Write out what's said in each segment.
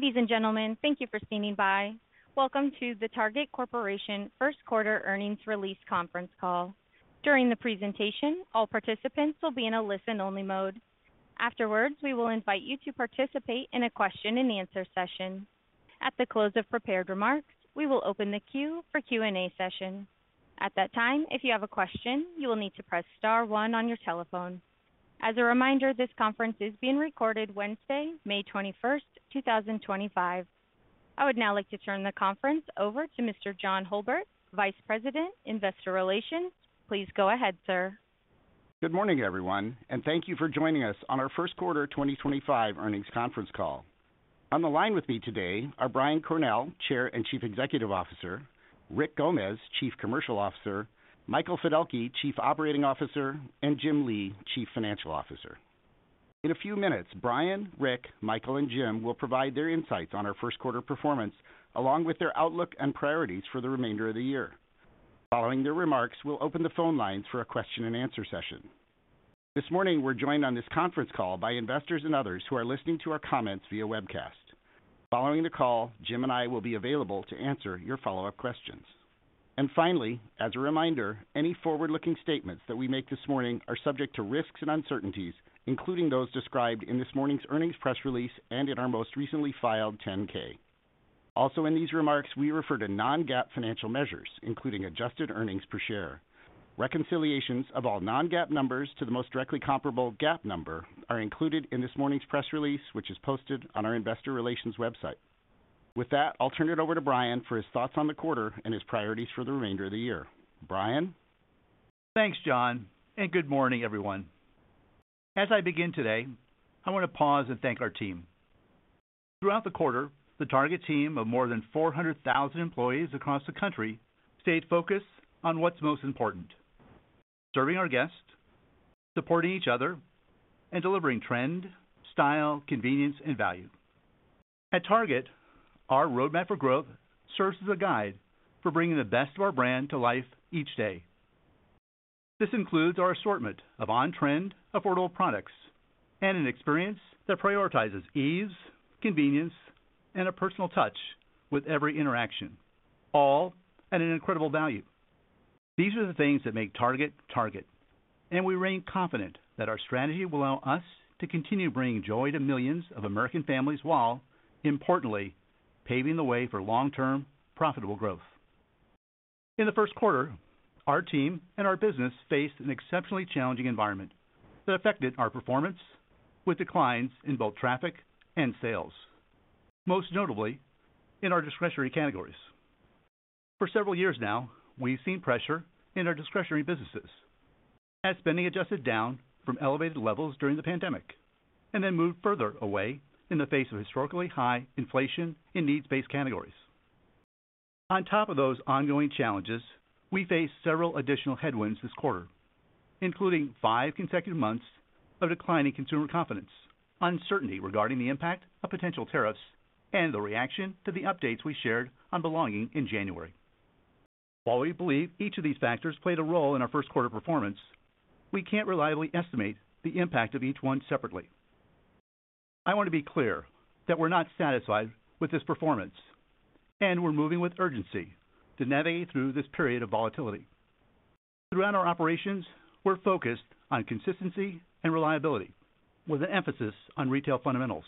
Ladies and gentlemen, thank you for standing by. Welcome to the Target Corporation First Quarter Earnings Release Conference Call. During the presentation, all participants will be in a listen-only mode. Afterwards, we will invite you to participate in a question-and-answer session. At the close of prepared remarks, we will open the queue for Q&A session. At that time, if you have a question, you will need to press * one on your telephone. As a reminder, this conference is being recorded Wednesday, May 21, 2025. I would now like to turn the conference over to Mr. John Hulbert, Vice President, Investor Relations. Please go ahead, sir. Good morning, everyone, and thank you for joining us on our First Quarter 2025 Earnings Conference Call. On the line with me today are Brian Cornell, Chair and Chief Executive Officer; Rick Gomez, Chief Commercial Officer; Michael Fiddelke, Chief Operating Officer; and Jim Lee, Chief Financial Officer. In a few minutes, Brian, Rick, Michael, and Jim will provide their insights on our first quarter performance along with their outlook and priorities for the remainder of the year. Following their remarks, we'll open the phone lines for a question-and-answer session. This morning, we're joined on this conference call by investors and others who are listening to our comments via webcast. Following the call, Jim and I will be available to answer your follow-up questions. Finally, as a reminder, any forward-looking statements that we make this morning are subject to risks and uncertainties, including those described in this morning's earnings press release and in our most recently filed 10-K. Also, in these remarks, we refer to non-GAAP financial measures, including adjusted earnings per share. Reconciliations of all non-GAAP numbers to the most directly comparable GAAP number are included in this morning's press release, which is posted on our Investor Relations website. With that, I'll turn it over to Brian for his thoughts on the quarter and his priorities for the remainder of the year. Brian? Thanks, John, and good morning, everyone. As I begin today, I want to pause and thank our team. Throughout the quarter, the Target team of more than 400,000 employees across the country stayed focused on what's most important: serving our guests, supporting each other, and delivering trend, style, convenience, and value. At Target, our roadmap for growth serves as a guide for bringing the best of our brand to life each day. This includes our assortment of on-trend, affordable products and an experience that prioritizes ease, convenience, and a personal touch with every interaction, all at an incredible value. These are the things that make Target Target, and we remain confident that our strategy will allow us to continue bringing joy to millions of American families while, importantly, paving the way for long-term, profitable growth. In the first quarter, our team and our business faced an exceptionally challenging environment that affected our performance with declines in both traffic and sales, most notably in our discretionary categories. For several years now, we've seen pressure in our discretionary businesses as spending adjusted down from elevated levels during the pandemic and then moved further away in the face of historically high inflation in needs-based categories. On top of those ongoing challenges, we faced several additional headwinds this quarter, including five consecutive months of declining consumer confidence, uncertainty regarding the impact of potential tariffs, and the reaction to the updates we shared on belonging in January. While we believe each of these factors played a role in our first quarter performance, we can't reliably estimate the impact of each one separately. I want to be clear that we're not satisfied with this performance, and we're moving with urgency to navigate through this period of volatility. Throughout our operations, we're focused on consistency and reliability with an emphasis on retail fundamentals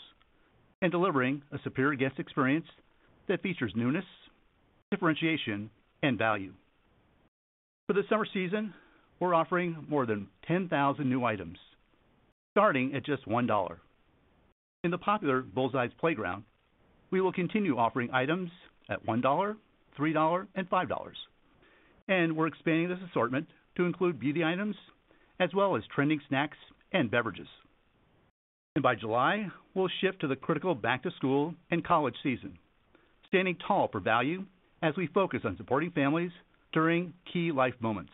and delivering a superior guest experience that features newness, differentiation, and value. For the summer season, we're offering more than 10,000 new items starting at just $1. In the popular Bullseye's Playground, we will continue offering items at $1, $3, and $5, and we're expanding this assortment to include beauty items as well as trending snacks and beverages. By July, we'll shift to the critical back-to-school and college season, standing tall for value as we focus on supporting families during key life moments.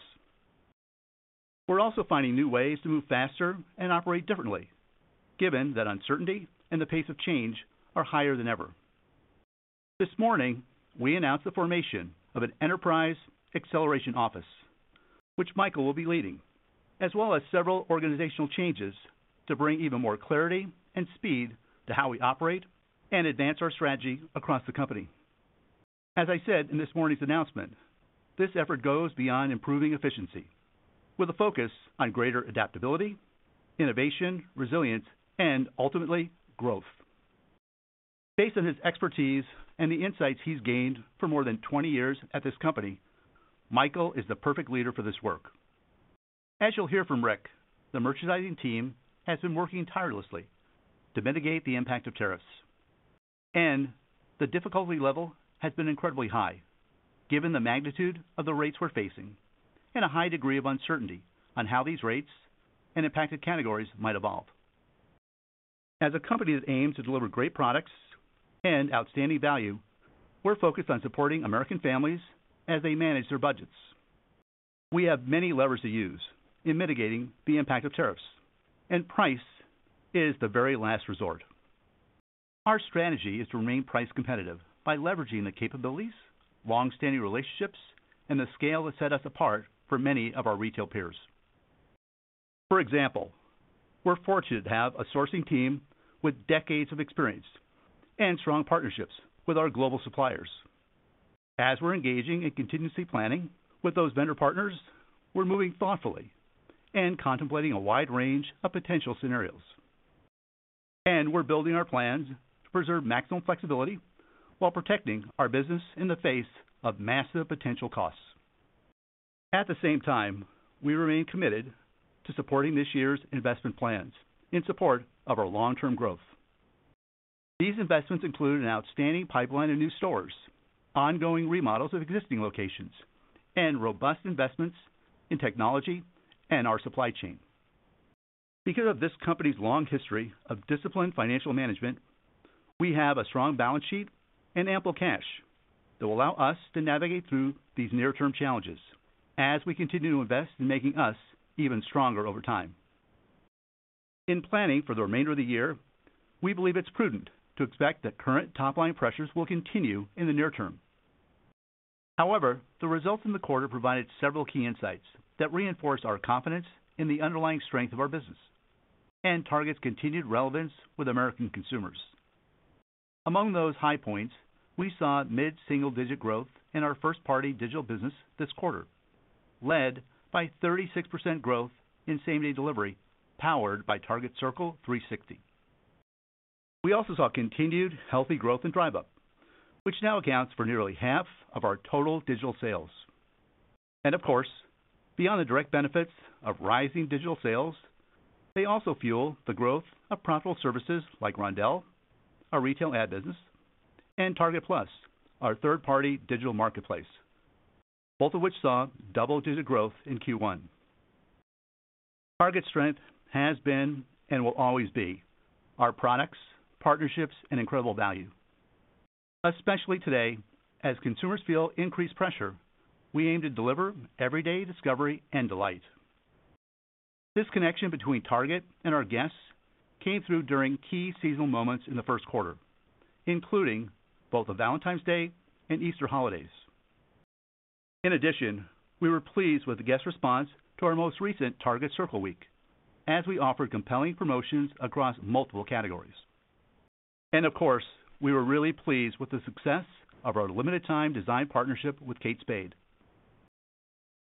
We're also finding new ways to move faster and operate differently, given that uncertainty and the pace of change are higher than ever. This morning, we announced the formation of an Enterprise Acceleration Office, which Michael will be leading, as well as several organizational changes to bring even more clarity and speed to how we operate and advance our strategy across the company. As I said in this morning's announcement, this effort goes beyond improving efficiency with a focus on greater adaptability, innovation, resilience, and ultimately growth. Based on his expertise and the insights he's gained for more than 20 years at this company, Michael is the perfect leader for this work. As you'll hear from Rick, the merchandising team has been working tirelessly to mitigate the impact of tariffs, and the difficulty level has been incredibly high given the magnitude of the rates we're facing and a high degree of uncertainty on how these rates and impacted categories might evolve. As a company that aims to deliver great products and outstanding value, we're focused on supporting American families as they manage their budgets. We have many levers to use in mitigating the impact of tariffs, and price is the very last resort. Our strategy is to remain price competitive by leveraging the capabilities, long-standing relationships, and the scale that set us apart from many of our retail peers. For example, we're fortunate to have a sourcing team with decades of experience and strong partnerships with our global suppliers. As we're engaging in contingency planning with those vendor partners, we're moving thoughtfully and contemplating a wide range of potential scenarios. We're building our plans to preserve maximum flexibility while protecting our business in the face of massive potential costs. At the same time, we remain committed to supporting this year's investment plans in support of our long-term growth. These investments include an outstanding pipeline of new stores, ongoing remodels of existing locations, and robust investments in technology and our supply chain. Because of this company's long history of disciplined financial management, we have a strong balance sheet and ample cash that will allow us to navigate through these near-term challenges as we continue to invest in making us even stronger over time. In planning for the remainder of the year, we believe it's prudent to expect that current top-line pressures will continue in the near term. However, the results in the quarter provided several key insights that reinforced our confidence in the underlying strength of our business and Target's continued relevance with American consumers. Among those high points, we saw mid-single-digit growth in our first-party digital business this quarter, led by 36% growth in same-day delivery powered by Target Circle 360. We also saw continued healthy growth in drive-up, which now accounts for nearly half of our total digital sales. Of course, beyond the direct benefits of rising digital sales, they also fuel the growth of profitable services like Roundel, our retail ad business, and Target Plus, our third-party digital marketplace, both of which saw double-digit growth in Q1. Target's strength has been and will always be our products, partnerships, and incredible value. Especially today, as consumers feel increased pressure, we aim to deliver everyday discovery and delight. This connection between Target and our guests came through during key seasonal moments in the first quarter, including both Valentine's Day and Easter holidays. In addition, we were pleased with the guest response to our most recent Target Circle week as we offered compelling promotions across multiple categories. Of course, we were really pleased with the success of our limited-time design partnership with Kate Spade.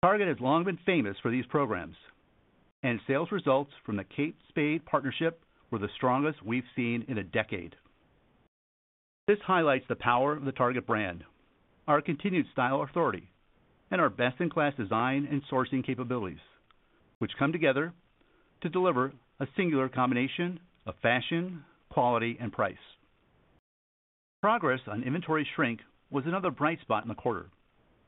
Target has long been famous for these programs, and sales results from the Kate Spade partnership were the strongest we have seen in a decade. This highlights the power of the Target brand, our continued style authority, and our best-in-class design and sourcing capabilities, which come together to deliver a singular combination of fashion, quality, and price. Progress on inventory shrink was another bright spot in the quarter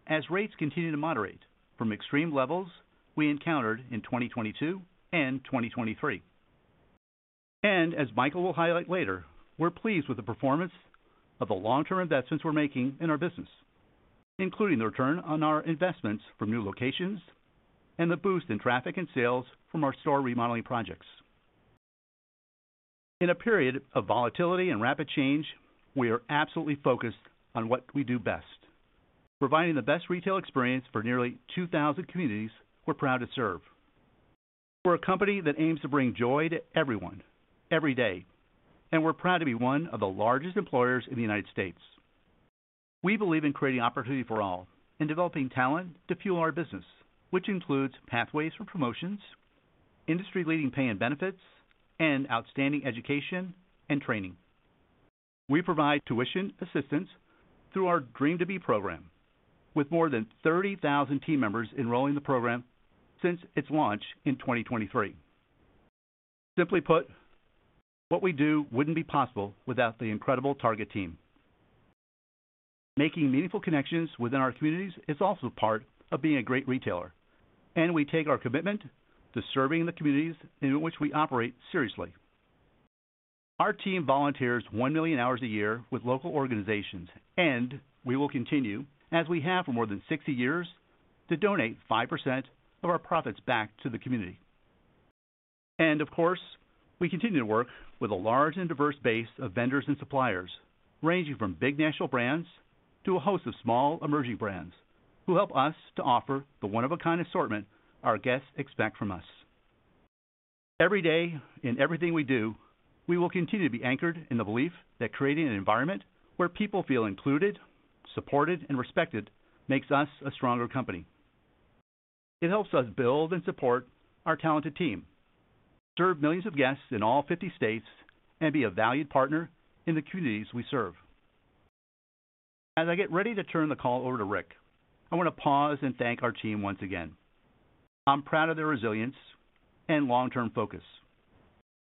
as rates continued to moderate from extreme levels we encountered in 2022 and 2023. As Michael will highlight later, we are pleased with the performance of the long-term investments we are making in our business, including the return on our investments from new locations and the boost in traffic and sales from our store remodeling projects. In a period of volatility and rapid change, we are absolutely focused on what we do best, providing the best retail experience for nearly 2,000 communities we're proud to serve. We're a company that aims to bring joy to everyone every day, and we're proud to be one of the largest employers in the United States. We believe in creating opportunity for all and developing talent to fuel our business, which includes pathways for promotions, industry-leading pay and benefits, and outstanding education and training. We provide tuition assistance through our Dream2B program, with more than 30,000 team members enrolling in the program since its launch in 2023. Simply put, what we do wouldn't be possible without the incredible Target team. Making meaningful connections within our communities is also part of being a great retailer, and we take our commitment to serving the communities in which we operate seriously. Our team volunteers 1 million hours a year with local organizations, and we will continue, as we have for more than 60 years, to donate 5% of our profits back to the community. Of course, we continue to work with a large and diverse base of vendors and suppliers ranging from big national brands to a host of small emerging brands who help us to offer the one-of-a-kind assortment our guests expect from us. Every day in everything we do, we will continue to be anchored in the belief that creating an environment where people feel included, supported, and respected makes us a stronger company. It helps us build and support our talented team, serve millions of guests in all 50 states, and be a valued partner in the communities we serve. As I get ready to turn the call over to Rick, I want to pause and thank our team once again. I'm proud of their resilience and long-term focus.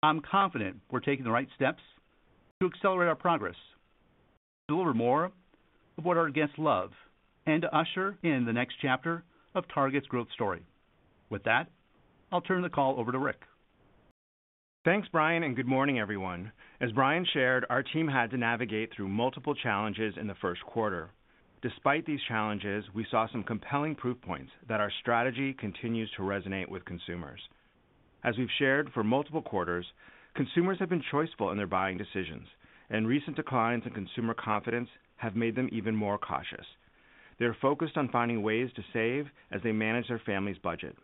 I'm confident we're taking the right steps to accelerate our progress, to deliver more of what our guests love, and to usher in the next chapter of Target's growth story. With that, I'll turn the call over to Rick. Thanks, Brian, and good morning, everyone. As Brian shared, our team had to navigate through multiple challenges in the first quarter. Despite these challenges, we saw some compelling proof points that our strategy continues to resonate with consumers. As we've shared for multiple quarters, consumers have been choiceful in their buying decisions, and recent declines in consumer confidence have made them even more cautious. They're focused on finding ways to save as they manage their family's budget.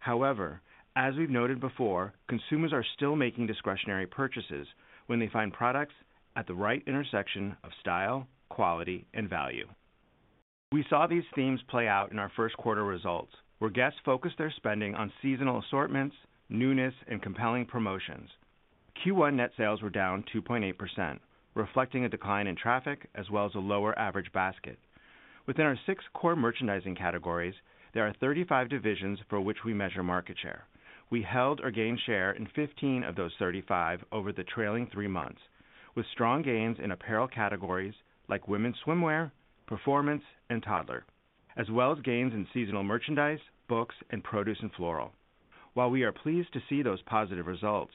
However, as we've noted before, consumers are still making discretionary purchases when they find products at the right intersection of style, quality, and value. We saw these themes play out in our first quarter results where guests focused their spending on seasonal assortments, newness, and compelling promotions. Q1 net sales were down 2.8%, reflecting a decline in traffic as well as a lower average basket. Within our six core merchandising categories, there are 35 divisions for which we measure market share. We held our gain share in 15 of those 35 over the trailing three months, with strong gains in apparel categories like women's swimwear, performance, and toddler, as well as gains in seasonal merchandise, books, and produce and floral. While we are pleased to see those positive results,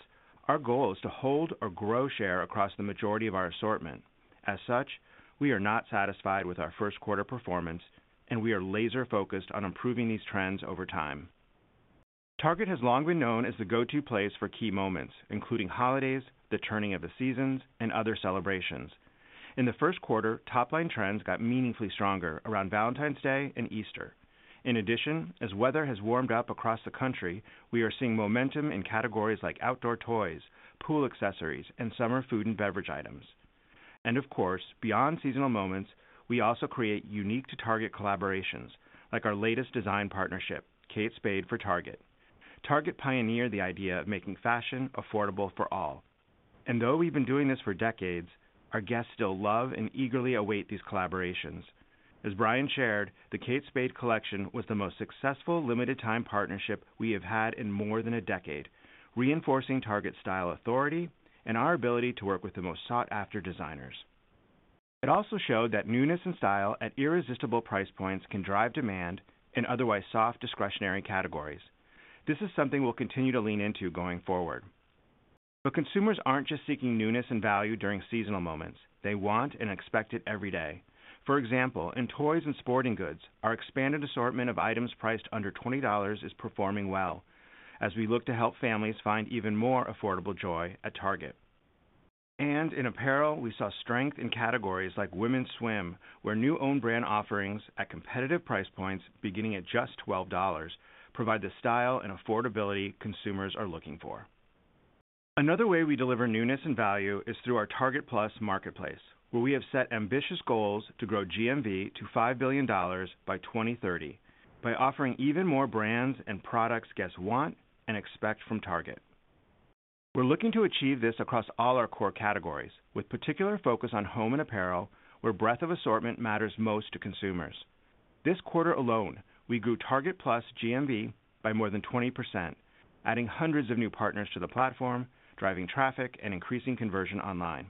our goal is to hold or grow share across the majority of our assortment. As such, we are not satisfied with our first quarter performance, and we are laser-focused on improving these trends over time. Target has long been known as the go-to place for key moments, including holidays, the turning of the seasons, and other celebrations. In the first quarter, top-line trends got meaningfully stronger around Valentine's Day and Easter. In addition, as weather has warmed up across the country, we are seeing momentum in categories like outdoor toys, pool accessories, and summer food and beverage items. Of course, beyond seasonal moments, we also create unique-to-Target collaborations like our latest design partnership, Kate Spade for Target. Target pioneered the idea of making fashion affordable for all. Though we've been doing this for decades, our guests still love and eagerly await these collaborations. As Brian shared, the Kate Spade collection was the most successful limited-time partnership we have had in more than a decade, reinforcing Target's style authority and our ability to work with the most sought-after designers. It also showed that newness and style at irresistible price points can drive demand in otherwise soft discretionary categories. This is something we'll continue to lean into going forward. Consumers aren't just seeking newness and value during seasonal moments. They want and expect it every day. For example, in toys and sporting goods, our expanded assortment of items priced under $20 is performing well as we look to help families find even more affordable joy at Target. In apparel, we saw strength in categories like women's swim, where new owned brand offerings at competitive price points beginning at just $12 provide the style and affordability consumers are looking for. Another way we deliver newness and value is through our Target Plus marketplace, where we have set ambitious goals to grow GMV to $5 billion by 2030 by offering even more brands and products guests want and expect from Target. We're looking to achieve this across all our core categories, with particular focus on home and apparel, where breadth of assortment matters most to consumers. This quarter alone, we grew Target Plus GMV by more than 20%, adding hundreds of new partners to the platform, driving traffic, and increasing conversion online.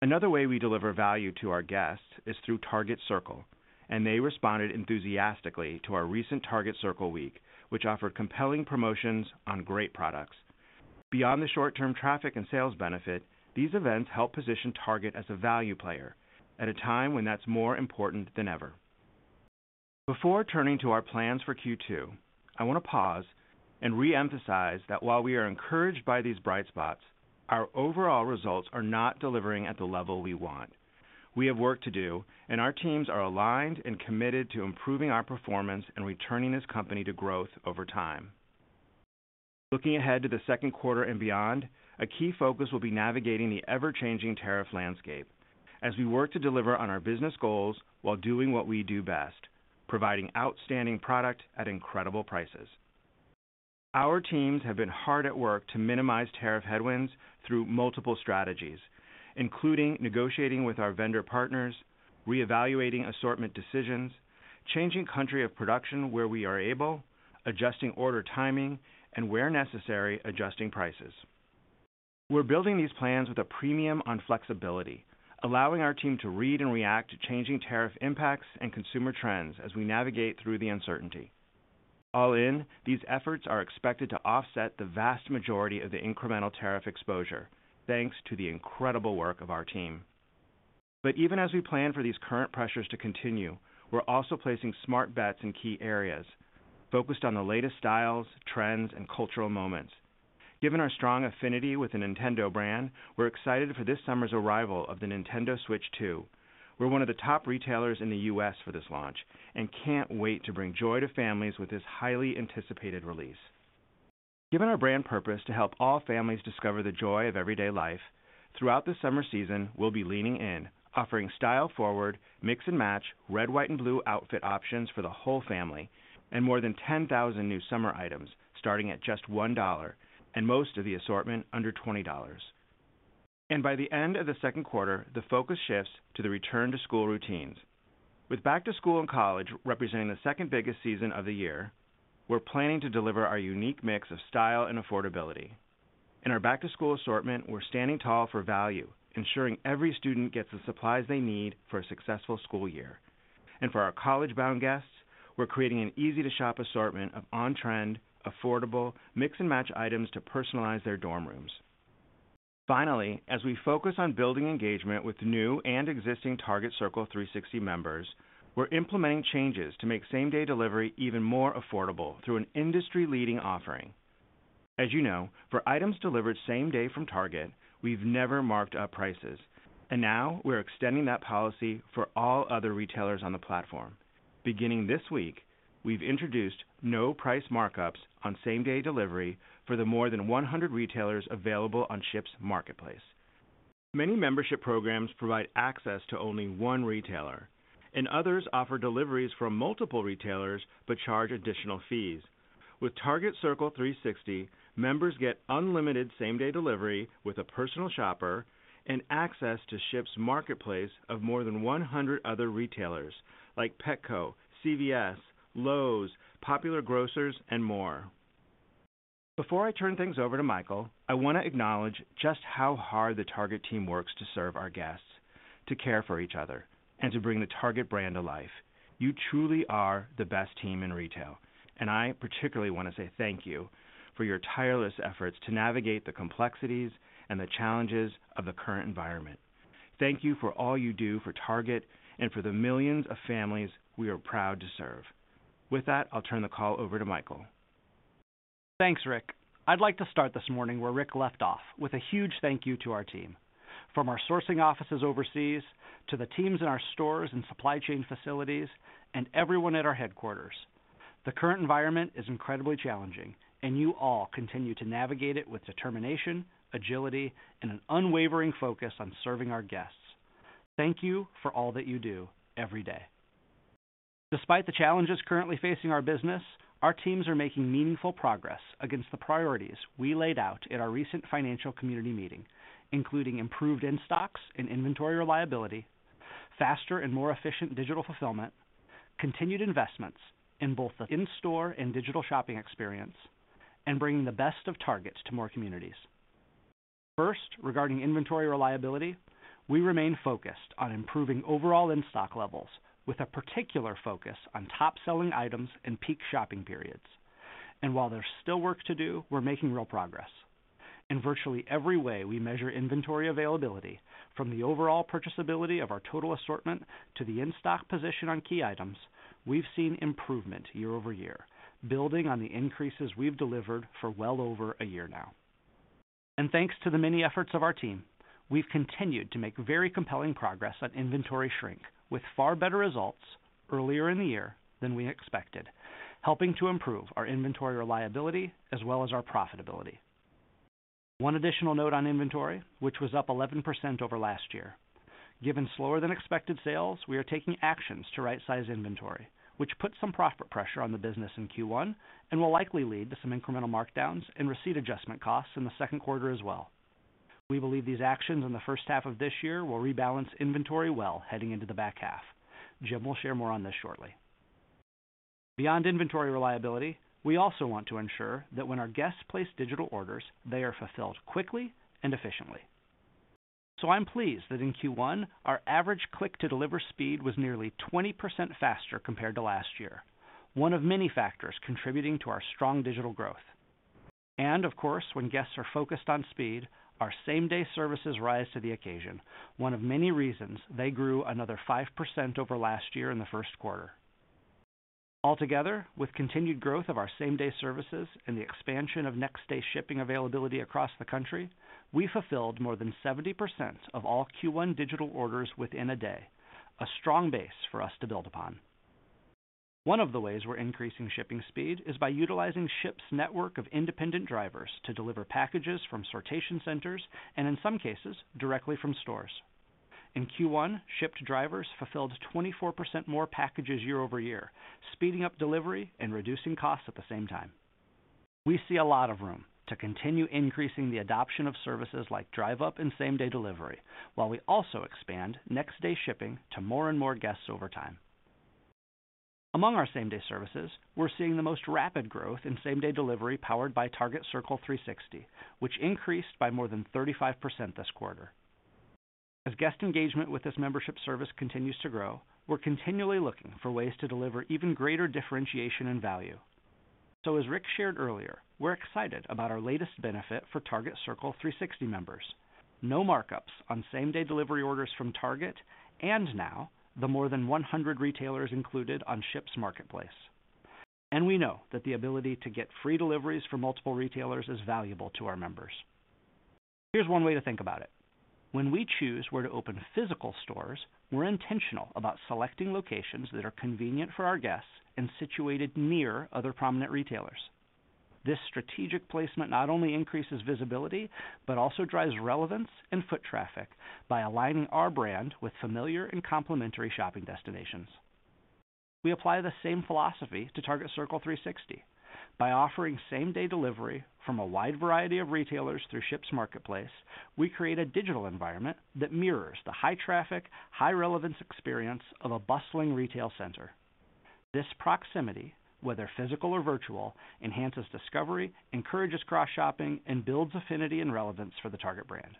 Another way we deliver value to our guests is through Target Circle, and they responded enthusiastically to our recent Target Circle week, which offered compelling promotions on great products. Beyond the short-term traffic and sales benefit, these events help position Target as a value player at a time when that's more important than ever. Before turning to our plans for Q2, I want to pause and re-emphasize that while we are encouraged by these bright spots, our overall results are not delivering at the level we want. We have work to do, and our teams are aligned and committed to improving our performance and returning this company to growth over time. Looking ahead to the second quarter and beyond, a key focus will be navigating the ever-changing tariff landscape as we work to deliver on our business goals while doing what we do best: providing outstanding product at incredible prices. Our teams have been hard at work to minimize tariff headwinds through multiple strategies, including negotiating with our vendor partners, re-evaluating assortment decisions, changing country of production where we are able, adjusting order timing, and where necessary, adjusting prices. We're building these plans with a premium on flexibility, allowing our team to read and react to changing tariff impacts and consumer trends as we navigate through the uncertainty. All in, these efforts are expected to offset the vast majority of the incremental tariff exposure, thanks to the incredible work of our team. Even as we plan for these current pressures to continue, we're also placing smart bets in key areas focused on the latest styles, trends, and cultural moments. Given our strong affinity with the Nintendo brand, we're excited for this summer's arrival of the Nintendo Switch 2. We're one of the top retailers in the U.S. for this launch and can't wait to bring joy to families with this highly anticipated release. Given our brand purpose to help all families discover the joy of everyday life, throughout the summer season, we'll be leaning in, offering style-forward, mix-and-match, red, white, and blue outfit options for the whole family and more than 10,000 new summer items starting at just $1 and most of the assortment under $20. By the end of the second quarter, the focus shifts to the return-to-school routines. With back-to-school and college representing the second biggest season of the year, we're planning to deliver our unique mix of style and affordability. In our back-to-school assortment, we're standing tall for value, ensuring every student gets the supplies they need for a successful school year. For our college-bound guests, we're creating an easy-to-shop assortment of on-trend, affordable, mix-and-match items to personalize their dorm rooms. Finally, as we focus on building engagement with new and existing Target Circle 360 members, we're implementing changes to make same-day delivery even more affordable through an industry-leading offering. As you know, for items delivered same day from Target, we've never marked up prices, and now we're extending that policy for all other retailers on the platform. Beginning this week, we've introduced no-price markups on same-day delivery for the more than 100 retailers available on Shipt Marketplace. Many membership programs provide access to only one retailer, and others offer deliveries from multiple retailers but charge additional fees. With Target Circle 360, members get unlimited same-day delivery with a personal shopper and access to Shipt's Marketplace of more than 100 other retailers like Petco, CVS, Lowe's, popular grocers, and more. Before I turn things over to Michael, I want to acknowledge just how hard the Target team works to serve our guests, to care for each other, and to bring the Target brand to life. You truly are the best team in retail, and I particularly want to say thank you for your tireless efforts to navigate the complexities and the challenges of the current environment. Thank you for all you do for Target and for the millions of families we are proud to serve. With that, I'll turn the call over to Michael. Thanks, Rick. I'd like to start this morning where Rick left off with a huge thank you to our team, from our sourcing offices overseas to the teams in our stores and supply chain facilities and everyone at our headquarters. The current environment is incredibly challenging, and you all continue to navigate it with determination, agility, and an unwavering focus on serving our guests. Thank you for all that you do every day. Despite the challenges currently facing our business, our teams are making meaningful progress against the priorities we laid out in our recent financial community meeting, including improved in-stocks and inventory reliability, faster and more efficient digital fulfillment, continued investments in both the in-store and digital shopping experience, and bringing the best of Target to more communities. First, regarding inventory reliability, we remain focused on improving overall in-stock levels with a particular focus on top-selling items and peak shopping periods. While there's still work to do, we're making real progress. In virtually every way we measure inventory availability, from the overall purchasability of our total assortment to the in-stock position on key items, we've seen improvement year over year, building on the increases we've delivered for well over a year now. Thanks to the many efforts of our team, we've continued to make very compelling progress on inventory shrink with far better results earlier in the year than we expected, helping to improve our inventory reliability as well as our profitability. One additional note on inventory, which was up 11% over last year. Given slower-than-expected sales, we are taking actions to right-size inventory, which puts some profit pressure on the business in Q1 and will likely lead to some incremental markdowns and receipt adjustment costs in the second quarter as well. We believe these actions in the first half of this year will rebalance inventory well heading into the back half. Jim will share more on this shortly. Beyond inventory reliability, we also want to ensure that when our guests place digital orders, they are fulfilled quickly and efficiently. I am pleased that in Q1, our average click-to-deliver speed was nearly 20% faster compared to last year, one of many factors contributing to our strong digital growth. Of course, when guests are focused on speed, our same-day services rise to the occasion, one of many reasons they grew another 5% over last year in the first quarter. Altogether, with continued growth of our same-day services and the expansion of next-day shipping availability across the country, we fulfilled more than 70% of all Q1 digital orders within a day, a strong base for us to build upon. One of the ways we're increasing shipping speed is by utilizing Shipt's network of independent drivers to deliver packages from sortation centers and, in some cases, directly from stores. In Q1, Shipt drivers fulfilled 24% more packages year over year, speeding up delivery and reducing costs at the same time. We see a lot of room to continue increasing the adoption of services like drive-up and same-day delivery while we also expand next-day shipping to more and more guests over time. Among our same-day services, we're seeing the most rapid growth in same-day delivery powered by Target Circle 360, which increased by more than 35% this quarter. As guest engagement with this membership service continues to grow, we're continually looking for ways to deliver even greater differentiation and value. As Rick shared earlier, we're excited about our latest benefit for Target Circle 360 members: no markups on same-day delivery orders from Target and now the more than 100 retailers included on Shipt Marketplace. We know that the ability to get free deliveries from multiple retailers is valuable to our members. Here's one way to think about it. When we choose where to open physical stores, we're intentional about selecting locations that are convenient for our guests and situated near other prominent retailers. This strategic placement not only increases visibility but also drives relevance and foot traffic by aligning our brand with familiar and complementary shopping destinations. We apply the same philosophy to Target Circle 360. By offering same-day delivery from a wide variety of retailers through Shipt Marketplace, we create a digital environment that mirrors the high-traffic, high-relevance experience of a bustling retail center. This proximity, whether physical or virtual, enhances discovery, encourages cross-shopping, and builds affinity and relevance for the Target brand.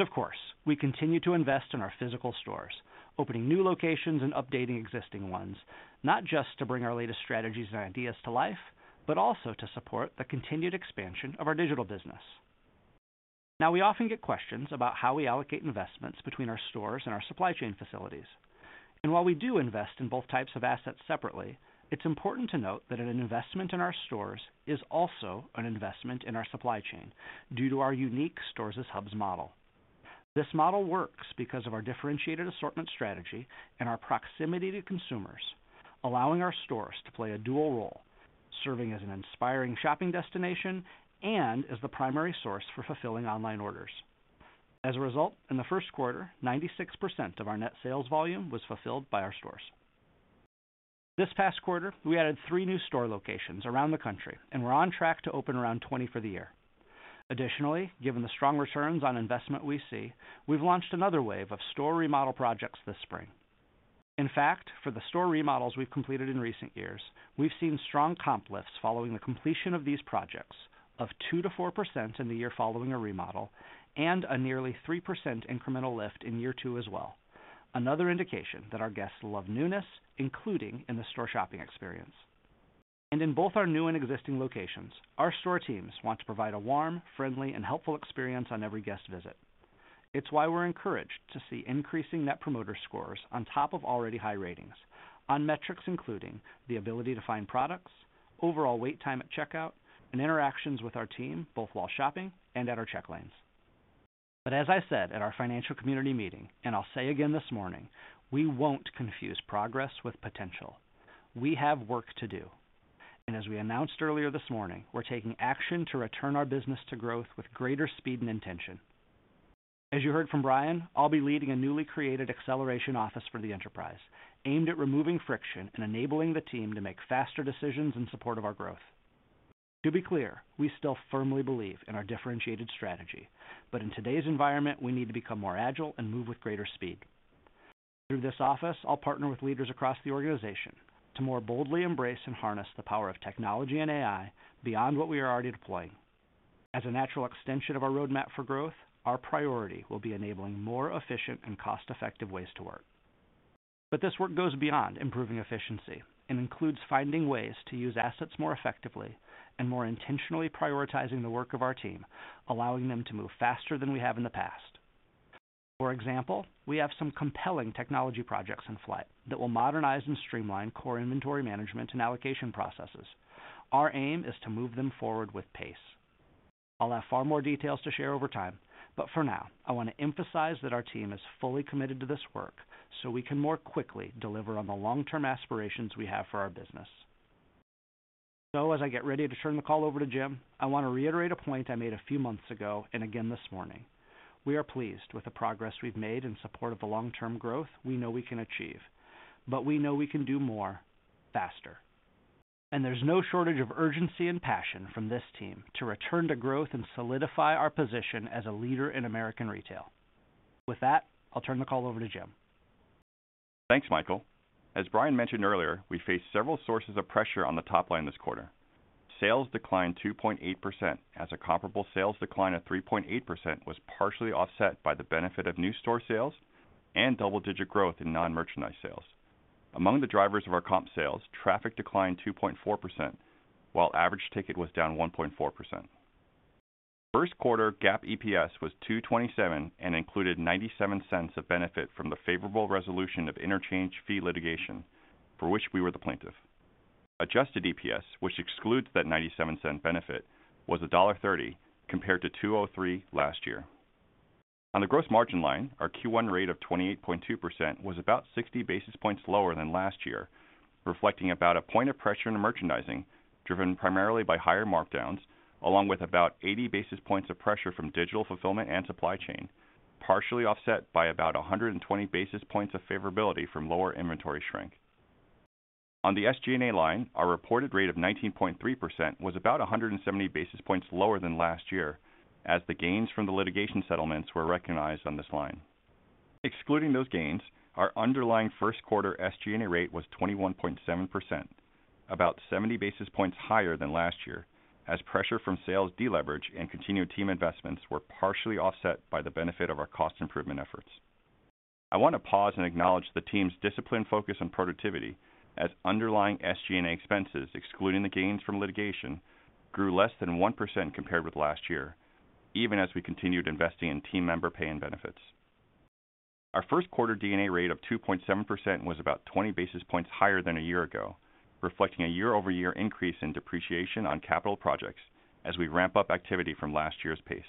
Of course, we continue to invest in our physical stores, opening new locations and updating existing ones, not just to bring our latest strategies and ideas to life but also to support the continued expansion of our digital business. We often get questions about how we allocate investments between our stores and our supply chain facilities. While we do invest in both types of assets separately, it is important to note that an investment in our stores is also an investment in our supply chain due to our unique stores-as-hubs model. This model works because of our differentiated assortment strategy and our proximity to consumers, allowing our stores to play a dual role: serving as an inspiring shopping destination and as the primary source for fulfilling online orders. As a result, in the first quarter, 96% of our net sales volume was fulfilled by our stores. This past quarter, we added three new store locations around the country, and we're on track to open around 20 for the year. Additionally, given the strong returns on investment we see, we've launched another wave of store remodel projects this spring. In fact, for the store remodels we've completed in recent years, we've seen strong comp lifts following the completion of these projects of 2-4% in the year following a remodel and a nearly 3% incremental lift in year two as well, another indication that our guests love newness, including in the store shopping experience. In both our new and existing locations, our store teams want to provide a warm, friendly, and helpful experience on every guest visit. It's why we're encouraged to see increasing Net Promoter Scores on top of already high ratings on metrics including the ability to find products, overall wait time at checkout, and interactions with our team, both while shopping and at our check lanes. As I said at our financial community meeting, and I'll say again this morning, we won't confuse progress with potential. We have work to do. As we announced earlier this morning, we're taking action to return our business to growth with greater speed and intention. As you heard from Brian, I'll be leading a newly created acceleration office for the enterprise aimed at removing friction and enabling the team to make faster decisions in support of our growth. To be clear, we still firmly believe in our differentiated strategy, but in today's environment, we need to become more agile and move with greater speed. Through this office, I'll partner with leaders across the organization to more boldly embrace and harness the power of technology and AI beyond what we are already deploying. As a natural extension of our roadmap for growth, our priority will be enabling more efficient and cost-effective ways to work. This work goes beyond improving efficiency and includes finding ways to use assets more effectively and more intentionally prioritizing the work of our team, allowing them to move faster than we have in the past. For example, we have some compelling technology projects in flight that will modernize and streamline core inventory management and allocation processes. Our aim is to move them forward with pace. I'll have far more details to share over time, but for now, I want to emphasize that our team is fully committed to this work so we can more quickly deliver on the long-term aspirations we have for our business. As I get ready to turn the call over to Jim, I want to reiterate a point I made a few months ago and again this morning. We are pleased with the progress we've made in support of the long-term growth we know we can achieve, but we know we can do more faster. There is no shortage of urgency and passion from this team to return to growth and solidify our position as a leader in American retail. With that, I'll turn the call over to Jim. Thanks, Michael. As Brian mentioned earlier, we faced several sources of pressure on the top line this quarter. Sales declined 2.8% as a comparable sales decline of 3.8% was partially offset by the benefit of new store sales and double-digit growth in non-merchandise sales. Among the drivers of our comp sales, traffic declined 2.4%, while average ticket was down 1.4%. First quarter GAAP EPS was $2.27 and included $0.97 of benefit from the favorable resolution of interchange fee litigation for which we were the plaintiff. Adjusted EPS, which excludes that $0.97 benefit, was $1.30 compared to $2.03 last year. On the gross margin line, our Q1 rate of 28.2% was about 60 basis points lower than last year, reflecting about a point of pressure in merchandising driven primarily by higher markdowns, along with about 80 basis points of pressure from digital fulfillment and supply chain, partially offset by about 120 basis points of favorability from lower inventory shrink. On the SG&A line, our reported rate of 19.3% was about 170 basis points lower than last year as the gains from the litigation settlements were recognized on this line. Excluding those gains, our underlying first quarter SG&A rate was 21.7%, about 70 basis points higher than last year as pressure from sales deleverage and continued team investments were partially offset by the benefit of our cost improvement efforts. I want to pause and acknowledge the team's disciplined focus on productivity as underlying SG&A expenses, excluding the gains from litigation, grew less than 1% compared with last year, even as we continued investing in team member pay and benefits. Our first quarter DNA rate of 2.7% was about 20 basis points higher than a year ago, reflecting a year-over-year increase in depreciation on capital projects as we ramp up activity from last year's pace.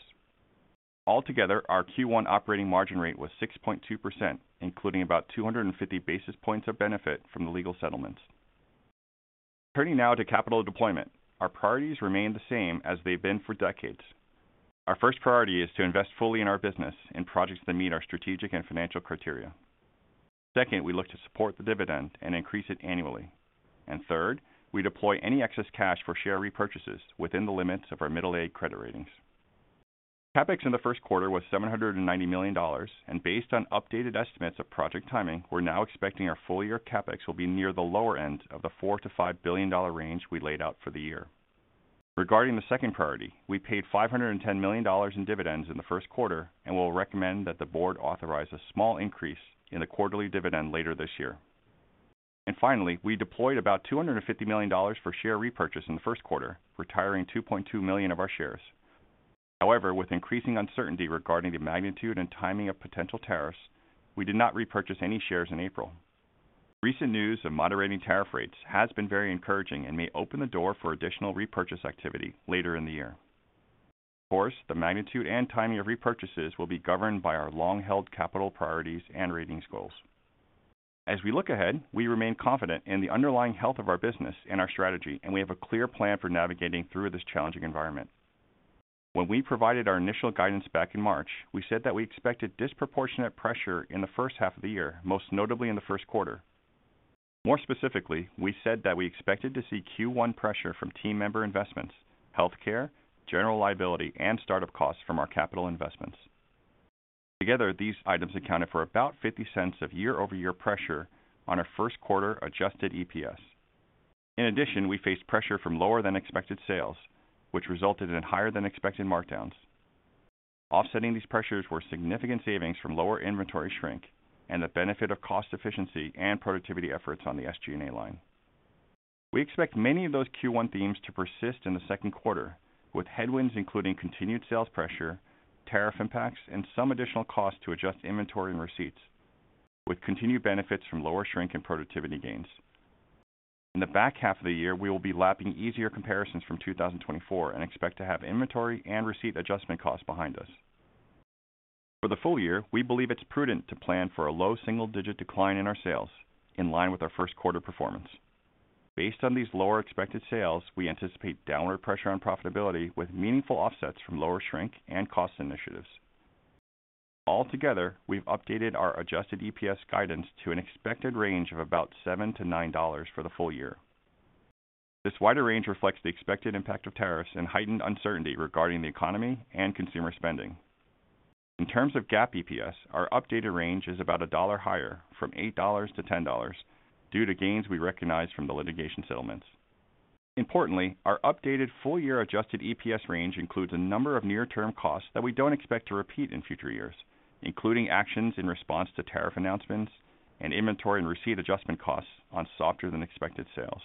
Altogether, our Q1 operating margin rate was 6.2%, including about 250 basis points of benefit from the legal settlements. Turning now to capital deployment, our priorities remain the same as they've been for decades. Our first priority is to invest fully in our business and projects that meet our strategic and financial criteria. Second, we look to support the dividend and increase it annually. Third, we deploy any excess cash for share repurchases within the limits of our middle-aged credit ratings. CapEx in the first quarter was $790 million, and based on updated estimates of project timing, we're now expecting our full-year CapEx will be near the lower end of the $4 billion-$5 billion range we laid out for the year. Regarding the second priority, we paid $510 million in dividends in the first quarter, and we'll recommend that the board authorize a small increase in the quarterly dividend later this year. Finally, we deployed about $250 million for share repurchase in the first quarter, retiring 2.2 million of our shares. However, with increasing uncertainty regarding the magnitude and timing of potential tariffs, we did not repurchase any shares in April. Recent news of moderating tariff rates has been very encouraging and may open the door for additional repurchase activity later in the year. Of course, the magnitude and timing of repurchases will be governed by our long-held capital priorities and ratings goals. As we look ahead, we remain confident in the underlying health of our business and our strategy, and we have a clear plan for navigating through this challenging environment. When we provided our initial guidance back in March, we said that we expected disproportionate pressure in the first half of the year, most notably in the first quarter. More specifically, we said that we expected to see Q1 pressure from team member investments, healthcare, general liability, and startup costs from our capital investments. Together, these items accounted for about $0.50 of year-over-year pressure on our first quarter adjusted EPS. In addition, we faced pressure from lower-than-expected sales, which resulted in higher-than-expected markdowns. Offsetting these pressures were significant savings from lower inventory shrink and the benefit of cost efficiency and productivity efforts on the SG&A line. We expect many of those Q1 themes to persist in the second quarter, with headwinds including continued sales pressure, tariff impacts, and some additional costs to adjust inventory and receipts, with continued benefits from lower shrink and productivity gains. In the back half of the year, we will be lapping easier comparisons from 2024 and expect to have inventory and receipt adjustment costs behind us. For the full year, we believe it's prudent to plan for a low single-digit decline in our sales in line with our first quarter performance. Based on these lower expected sales, we anticipate downward pressure on profitability with meaningful offsets from lower shrink and cost initiatives. Altogether, we've updated our adjusted EPS guidance to an expected range of about $7-$9 for the full year. This wider range reflects the expected impact of tariffs and heightened uncertainty regarding the economy and consumer spending. In terms of GAAP EPS, our updated range is about $1 higher, from $8-$10, due to gains we recognize from the litigation settlements. Importantly, our updated full-year adjusted EPS range includes a number of near-term costs that we do not expect to repeat in future years, including actions in response to tariff announcements and inventory and receipt adjustment costs on softer-than-expected sales.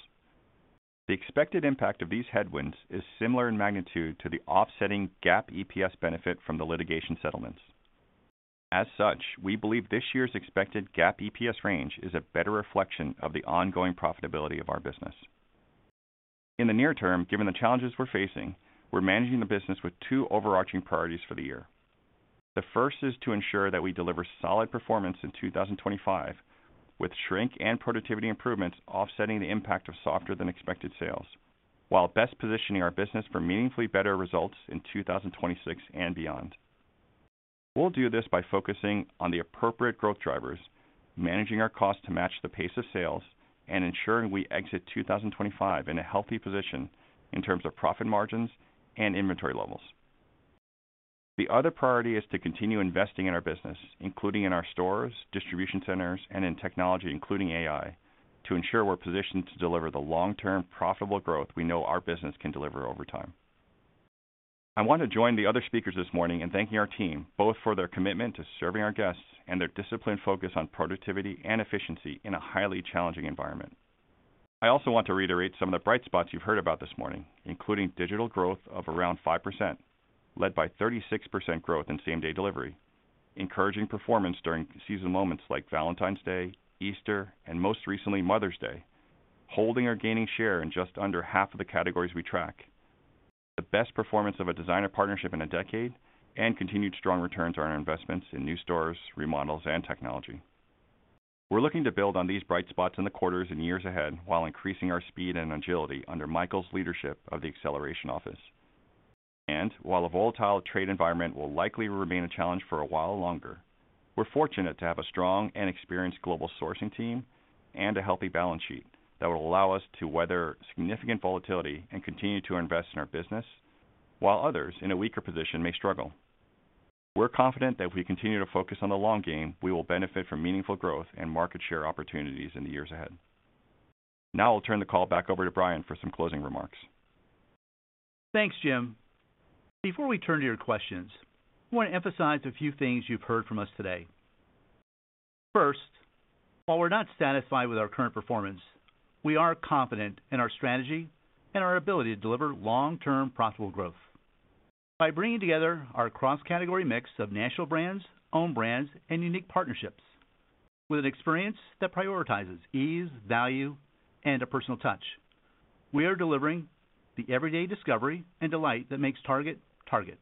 The expected impact of these headwinds is similar in magnitude to the offsetting GAAP EPS benefit from the litigation settlements. As such, we believe this year's expected GAAP EPS range is a better reflection of the ongoing profitability of our business. In the near term, given the challenges we're facing, we're managing the business with two overarching priorities for the year. The first is to ensure that we deliver solid performance in 2025, with shrink and productivity improvements offsetting the impact of softer-than-expected sales, while best positioning our business for meaningfully better results in 2026 and beyond. We'll do this by focusing on the appropriate growth drivers, managing our costs to match the pace of sales, and ensuring we exit 2025 in a healthy position in terms of profit margins and inventory levels. The other priority is to continue investing in our business, including in our stores, distribution centers, and in technology, including AI, to ensure we're positioned to deliver the long-term profitable growth we know our business can deliver over time. I want to join the other speakers this morning in thanking our team, both for their commitment to serving our guests and their disciplined focus on productivity and efficiency in a highly challenging environment. I also want to reiterate some of the bright spots you've heard about this morning, including digital growth of around 5%, led by 36% growth in same-day delivery, encouraging performance during seasonal moments like Valentine's Day, Easter, and most recently, Mother's Day, holding or gaining share in just under half of the categories we track, the best performance of a designer partnership in a decade, and continued strong returns on our investments in new stores, remodels, and technology. We're looking to build on these bright spots in the quarters and years ahead while increasing our speed and agility under Michael's leadership of the acceleration office. While a volatile trade environment will likely remain a challenge for a while longer, we're fortunate to have a strong and experienced global sourcing team and a healthy balance sheet that will allow us to weather significant volatility and continue to invest in our business, while others in a weaker position may struggle. We're confident that if we continue to focus on the long game, we will benefit from meaningful growth and market share opportunities in the years ahead. Now I'll turn the call back over to Brian for some closing remarks. Thanks, Jim. Before we turn to your questions, I want to emphasize a few things you've heard from us today. First, while we're not satisfied with our current performance, we are confident in our strategy and our ability to deliver long-term profitable growth by bringing together our cross-category mix of national brands, own brands, and unique partnerships. With an experience that prioritizes ease, value, and a personal touch, we are delivering the everyday discovery and delight that makes Target Target,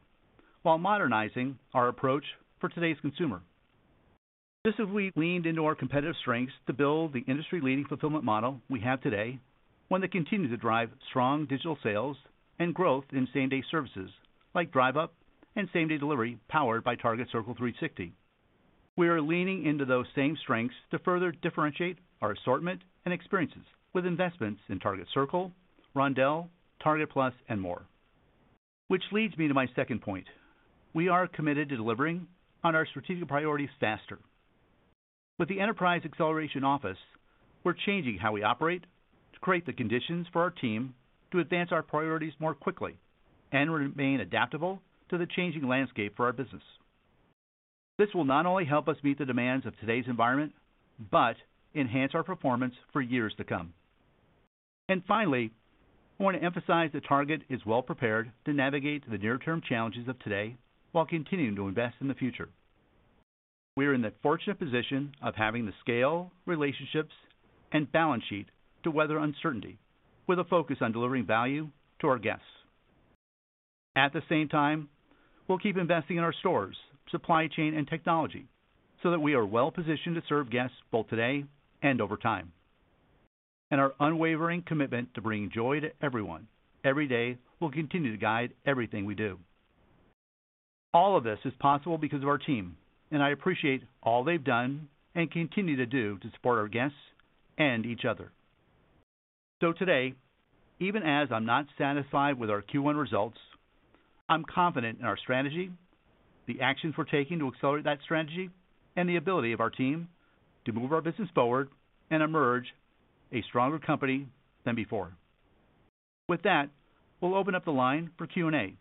while modernizing our approach for today's consumer. This is what we leaned into our competitive strengths to build the industry-leading fulfillment model we have today, one that continues to drive strong digital sales and growth in same-day services like drive-up and same-day delivery powered by Target Circle 360. We are leaning into those same strengths to further differentiate our assortment and experiences with investments in Target Circle, Roundel, Target Plus, and more. This leads me to my second point. We are committed to delivering on our strategic priorities faster. With the enterprise acceleration office, we are changing how we operate to create the conditions for our team to advance our priorities more quickly and remain adaptable to the changing landscape for our business. This will not only help us meet the demands of today's environment, but enhance our performance for years to come. Finally, I want to emphasize that Target is well-prepared to navigate the near-term challenges of today while continuing to invest in the future. We are in the fortunate position of having the scale, relationships, and balance sheet to weather uncertainty with a focus on delivering value to our guests. At the same time, we'll keep investing in our stores, supply chain, and technology so that we are well-positioned to serve guests both today and over time. Our unwavering commitment to bringing joy to everyone every day will continue to guide everything we do. All of this is possible because of our team, and I appreciate all they've done and continue to do to support our guests and each other. Today, even as I'm not satisfied with our Q1 results, I'm confident in our strategy, the actions we're taking to accelerate that strategy, and the ability of our team to move our business forward and emerge a stronger company than before. With that, we'll open up the line for Q&A.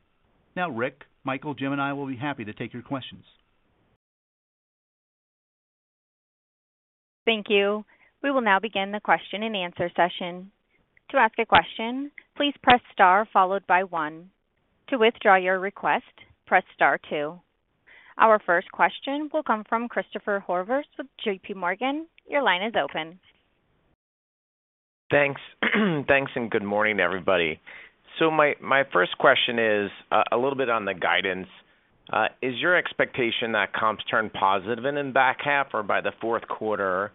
Now, Rick, Michael, Jim, and I will be happy to take your questions. Thank you. We will now begin the question-and-answer session. To ask a question, please press * followed by one. To withdraw your request, press * two. Our first question will come from Christopher Horvers with J.P. Morgan. Your line is open. Thanks. Thanks and good morning, everybody. My first question is a little bit on the guidance. Is your expectation that comps turn positive in the back half or by the fourth quarter?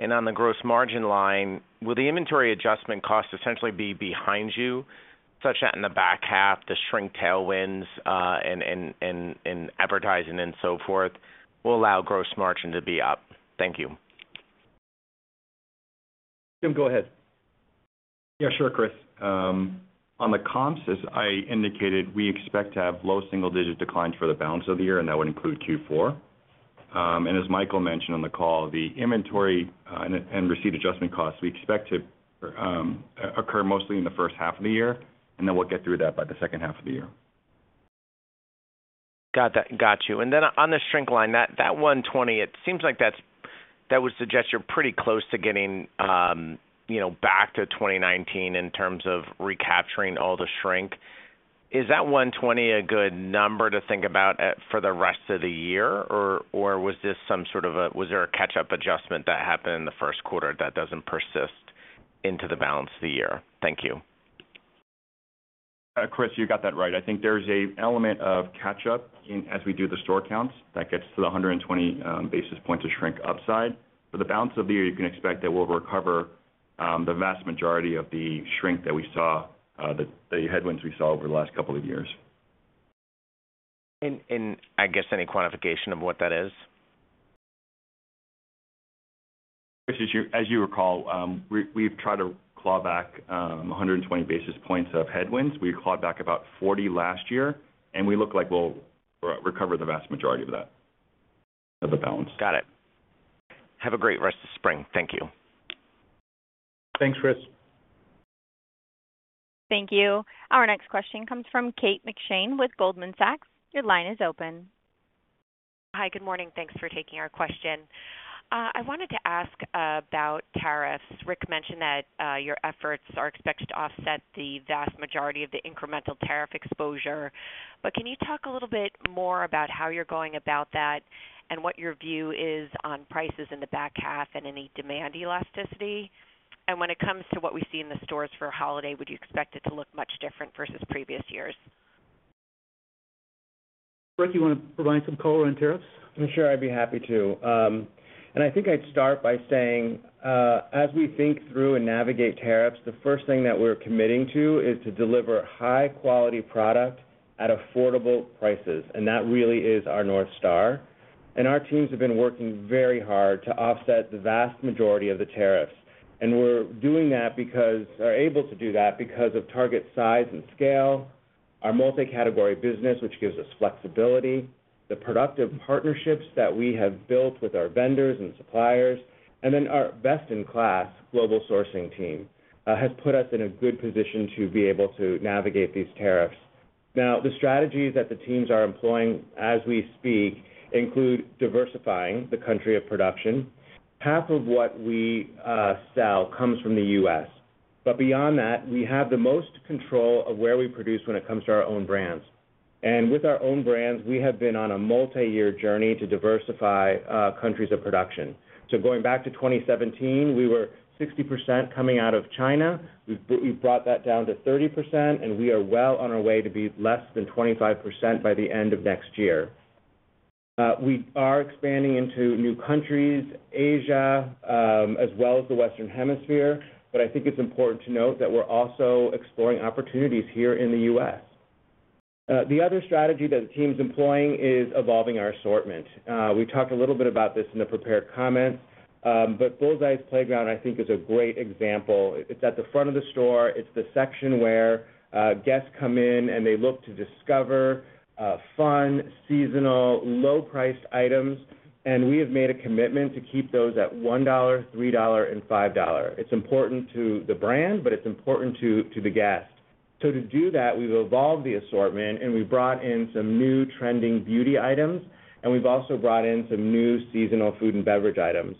On the gross margin line, will the inventory adjustment cost essentially be behind you such that in the back half, the shrink tailwinds in advertising and so forth will allow gross margin to be up? Thank you. Jim, go ahead. Yeah, sure, Chris. On the comps, as I indicated, we expect to have low single-digit declines for the balance of the year, and that would include Q4. As Michael mentioned on the call, the inventory and receipt adjustment costs we expect to occur mostly in the first half of the year, and then we'll get through that by the second half of the year. Got you. Then on the shrink line, that $120, it seems like that would suggest you're pretty close to getting back to 2019 in terms of recapturing all the shrink. Is that $120 a good number to think about for the rest of the year, or was this some sort of a—was there a catch-up adjustment that happened in the first quarter that doesn't persist into the balance of the year? Thank you. Chris, you got that right. I think there's an element of catch-up as we do the store counts that gets to the 120 basis points of shrink upside. For the balance of the year, you can expect that we'll recover the vast majority of the shrink that we saw, the headwinds we saw over the last couple of years. I guess any quantification of what that is? As you recall, we've tried to claw back 120 basis points of headwinds. We clawed back about 40 last year, and we look like we'll recover the vast majority of that of the balance. Got it. Have a great rest of spring. Thank you. Thanks, Chris. Thank you. Our next question comes from Kate McShane with Goldman Sachs. Your line is open. Hi, good morning. Thanks for taking our question. I wanted to ask about tariffs. Rick mentioned that your efforts are expected to offset the vast majority of the incremental tariff exposure. Can you talk a little bit more about how you're going about that and what your view is on prices in the back half and any demand elasticity? When it comes to what we see in the stores for a holiday, would you expect it to look much different versus previous years? Rick, you want to provide some color on tariffs? I'm sure I'd be happy to. I think I'd start by saying, as we think through and navigate tariffs, the first thing that we're committing to is to deliver high-quality product at affordable prices. That really is our North Star. Our teams have been working very hard to offset the vast majority of the tariffs. We're able to do that because of Target's size and scale, our multi-category business, which gives us flexibility, the productive partnerships that we have built with our vendors and suppliers, and then our best-in-class global sourcing team has put us in a good position to be able to navigate these tariffs. The strategies that the teams are employing as we speak include diversifying the country of production. Half of what we sell comes from the U.S. Beyond that, we have the most control of where we produce when it comes to our own brands. With our own brands, we have been on a multi-year journey to diversify countries of production. Going back to 2017, we were 60% coming out of China. We've brought that down to 30%, and we are well on our way to be less than 25% by the end of next year. We are expanding into new countries, Asia, as well as the Western Hemisphere. I think it's important to note that we're also exploring opportunities here in the U.S. The other strategy that the team's employing is evolving our assortment. We talked a little bit about this in the prepared comments, but Bullseye's Playground, I think, is a great example. It's at the front of the store. It's the section where guests come in and they look to discover fun, seasonal, low-priced items. We have made a commitment to keep those at $1, $3, and $5. It's important to the brand, but it's important to the guest. To do that, we've evolved the assortment, and we've brought in some new trending beauty items, and we've also brought in some new seasonal food and beverage items.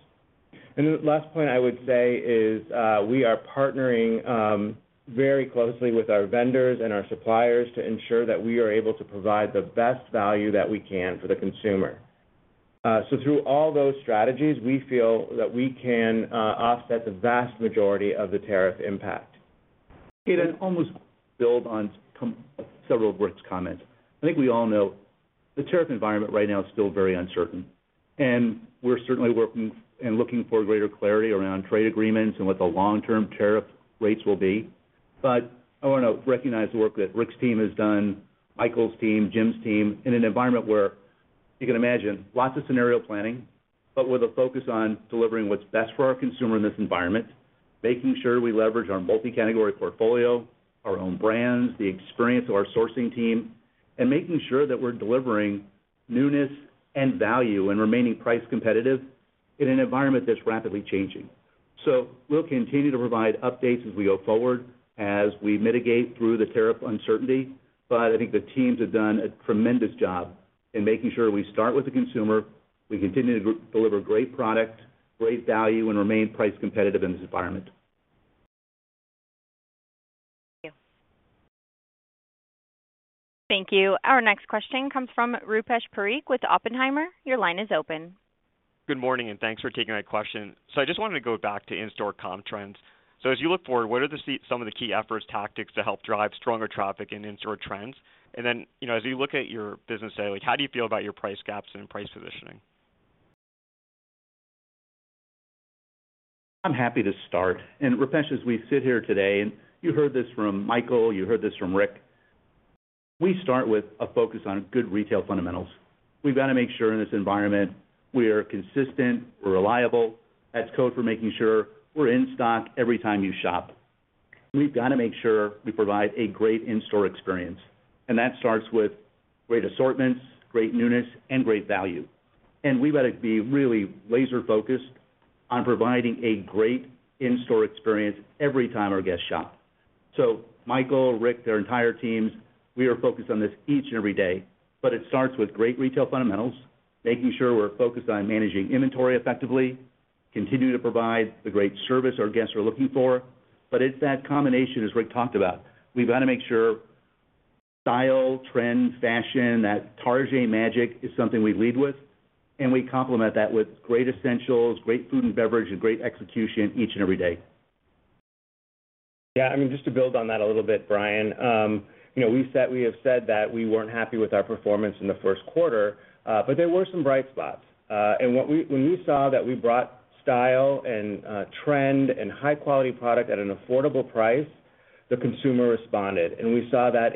The last point I would say is we are partnering very closely with our vendors and our suppliers to ensure that we are able to provide the best value that we can for the consumer. Through all those strategies, we feel that we can offset the vast majority of the tariff impact. It almost builds on several of Rick's comments. I think we all know the tariff environment right now is still very uncertain. We are certainly working and looking for greater clarity around trade agreements and what the long-term tariff rates will be. I want to recognize the work that Rick's team has done, Michael's team, Jim's team, in an environment where you can imagine lots of scenario planning, but with a focus on delivering what's best for our consumer in this environment, making sure we leverage our multi-category portfolio, our own brands, the experience of our sourcing team, and making sure that we are delivering newness and value and remaining price competitive in an environment that's rapidly changing. We will continue to provide updates as we go forward as we mitigate through the tariff uncertainty. I think the teams have done a tremendous job in making sure we start with the consumer, we continue to deliver great product, great value, and remain price competitive in this environment. Thank you. Our next question comes from Rupesh Parikh with Oppenheimer. Your line is open. Good morning, and thanks for taking my question. I just wanted to go back to in-store comp trends. As you look forward, what are some of the key efforts, tactics to help drive stronger traffic in in-store trends? As you look at your business today, how do you feel about your price gaps and price positioning? I'm happy to start. Rupesh, as we sit here today, and you heard this from Michael, you heard this from Rick, we start with a focus on good retail fundamentals. We've got to make sure in this environment we are consistent, reliable. That is code for making sure we're in stock every time you shop. We've got to make sure we provide a great in-store experience. That starts with great assortments, great newness, and great value. We've got to be really laser-focused on providing a great in-store experience every time our guests shop. Michael, Rick, their entire teams, we are focused on this each and every day. It starts with great retail fundamentals, making sure we're focused on managing inventory effectively, continue to provide the great service our guests are looking for. It is that combination, as Rick talked about. We've got to make sure style, trend, fashion, that Target magic is something we lead with. We complement that with great essentials, great food and beverage, and great execution each and every day. Yeah. I mean, just to build on that a little bit, Brian, we have said that we weren't happy with our performance in the first quarter, but there were some bright spots. When we saw that we brought style and trend and high-quality product at an affordable price, the consumer responded. We saw that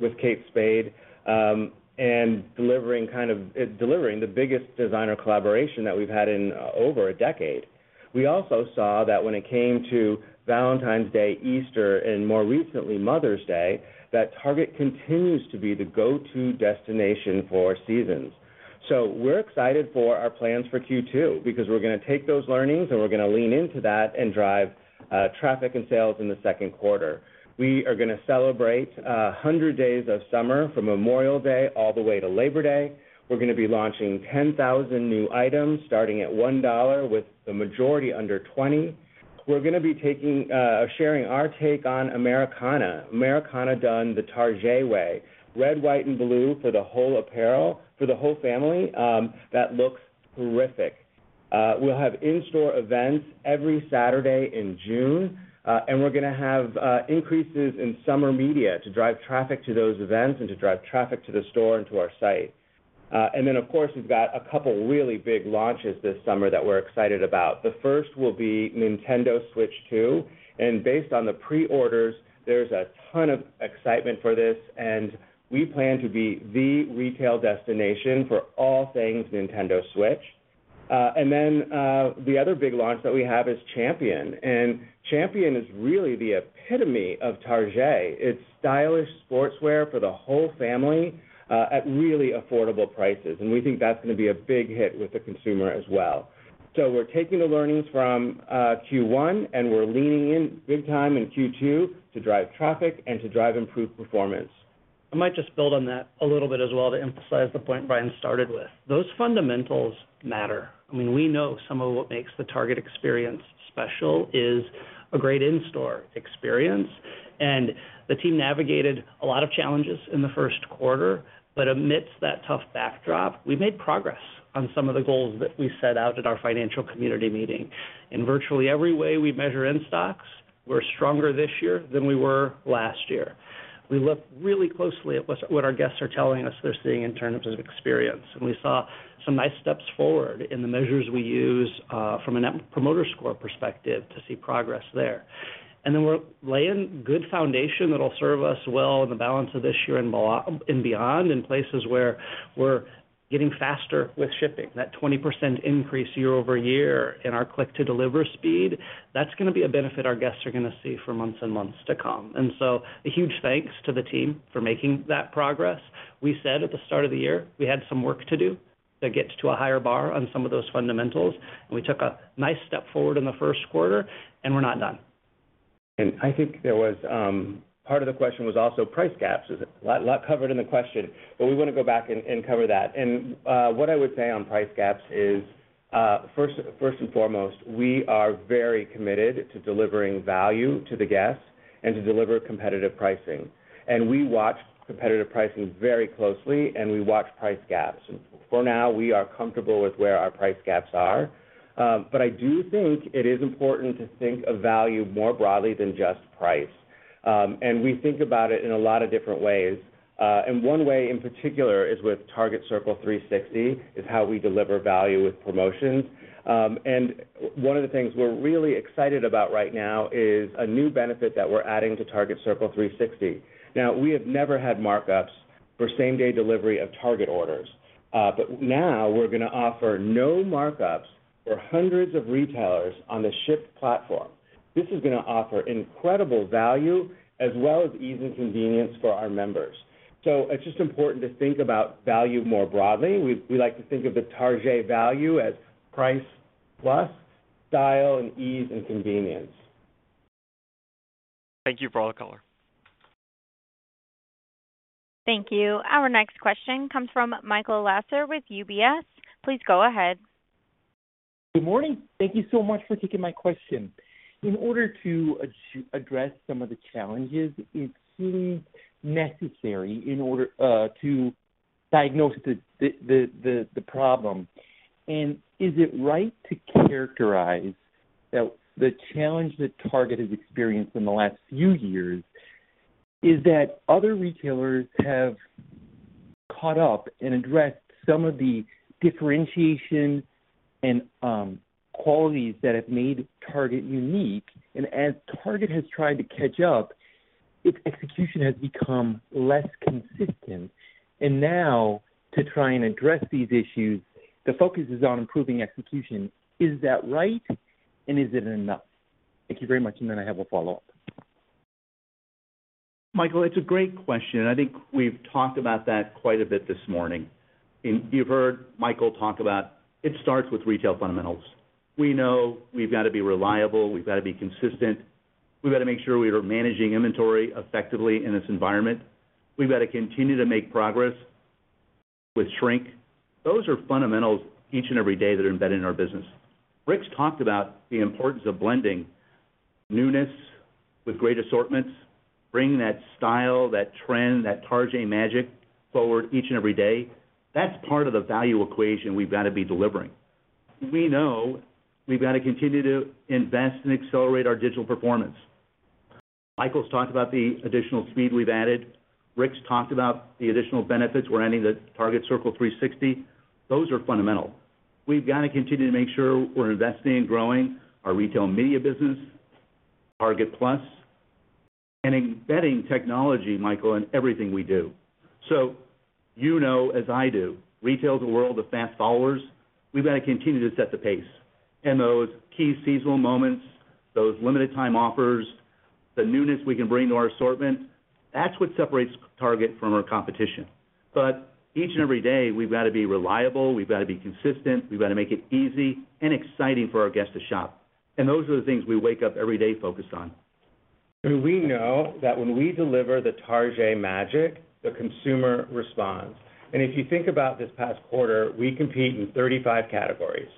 with Kate Spade and delivering kind of the biggest designer collaboration that we've had in over a decade. We also saw that when it came to Valentine's Day, Easter, and more recently Mother's Day, that Target continues to be the go-to destination for seasons. We're excited for our plans for Q2 because we're going to take those learnings and we're going to lean into that and drive traffic and sales in the second quarter. We are going to celebrate 100 days of summer from Memorial Day all the way to Labor Day. We're going to be launching 10,000 new items starting at $1 with the majority under $20. We're going to be sharing our take on Americana, Americana done the Target way, red, white, and blue for the whole apparel, for the whole family. That looks terrific. We'll have in-store events every Saturday in June. We're going to have increases in summer media to drive traffic to those events and to drive traffic to the store and to our site. Of course, we've got a couple really big launches this summer that we're excited about. The first will be Nintendo Switch 2. Based on the pre-orders, there's a ton of excitement for this. We plan to be the retail destination for all things Nintendo Switch. The other big launch that we have is Champion. Champion is really the epitome of Target. It's stylish sportswear for the whole family at really affordable prices. We think that's going to be a big hit with the consumer as well. We're taking the learnings from Q1, and we're leaning in big time in Q2 to drive traffic and to drive improved performance. I might just build on that a little bit as well to emphasize the point Brian started with. Those fundamentals matter. I mean, we know some of what makes the Target experience special is a great in-store experience. The team navigated a lot of challenges in the first quarter. Amidst that tough backdrop, we made progress on some of the goals that we set out at our financial community meeting. In virtually every way we measure in stocks, we're stronger this year than we were last year. We look really closely at what our guests are telling us they're seeing in terms of experience. We saw some nice steps forward in the measures we use from a Net Promoter Score perspective to see progress there. We are laying good foundation that will serve us well in the balance of this year and beyond in places where we are getting faster with shipping. That 20% increase year over year in our click-to-deliver speed, that is going to be a benefit our guests are going to see for months and months to come. A huge thanks to the team for making that progress. We said at the start of the year, we had some work to do to get to a higher bar on some of those fundamentals. We took a nice step forward in the first quarter, and we are not done. I think there was part of the question was also price gaps. There is a lot covered in the question, but we want to go back and cover that. What I would say on price gaps is, first and foremost, we are very committed to delivering value to the guests and to deliver competitive pricing. We watch competitive pricing very closely, and we watch price gaps. For now, we are comfortable with where our price gaps are. I do think it is important to think of value more broadly than just price. We think about it in a lot of different ways. One way in particular is with Target Circle 360, is how we deliver value with promotions. One of the things we are really excited about right now is a new benefit that we are adding to Target Circle 360. Now, we have never had markups for same-day delivery of Target orders. Now we're going to offer no markups for hundreds of retailers on the Shipt platform. This is going to offer incredible value as well as ease and convenience for our members. It is just important to think about value more broadly. We like to think of the Target value as price plus style and ease and convenience. Thank you for all the color. Thank you. Our next question comes from Michael Lasser with UBS. Please go ahead. Good morning. Thank you so much for taking my question. In order to address some of the challenges, it seems necessary to diagnose the problem. Is it right to characterize that the challenge that Target has experienced in the last few years is that other retailers have caught up and addressed some of the differentiation and qualities that have made Target unique? As Target has tried to catch up, its execution has become less consistent. Now, to try and address these issues, the focus is on improving execution. Is that right? Is it enough? Thank you very much. I have a follow-up. Michael, it's a great question. I think we've talked about that quite a bit this morning. You've heard Michael talk about it starts with retail fundamentals. We know we've got to be reliable. We've got to be consistent. We've got to make sure we are managing inventory effectively in this environment. We've got to continue to make progress with shrink. Those are fundamentals each and every day that are embedded in our business. Rick's talked about the importance of blending newness with great assortments, bringing that style, that trend, that Target magic forward each and every day. That's part of the value equation we've got to be delivering. We know we've got to continue to invest and accelerate our digital performance. Michael's talked about the additional speed we've added. Rick's talked about the additional benefits we're adding to Target Circle 360. Those are fundamental. We've got to continue to make sure we're investing and growing our retail media business, Target Plus, and embedding technology, Michael, in everything we do. You know, as I do, retail is a world of fast followers. have got to continue to set the pace. Those key seasonal moments, those limited-time offers, the newness we can bring to our assortment, that is what separates Target from our competition. Each and every day, we have got to be reliable. We have got to be consistent. We have got to make it easy and exciting for our guests to shop. Those are the things we wake up every day focused on. We know that when we deliver the Target magic, the consumer responds. If you think about this past quarter, we competed in 35 categories.